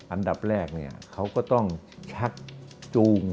อันดับแรกเขาก็ต้องชักจูง